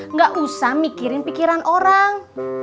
nggak usah mikirin pikiran orang